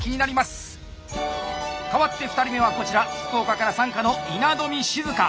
代わって２人目はこちら福岡から参加の稲冨静香。